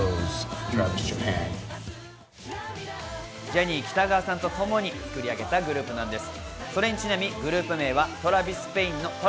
ジャニー喜多川さんとともに作り上げたグループなんです。